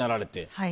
はい。